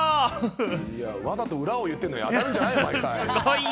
わざと裏を言ってるのに当たるんじゃないよ！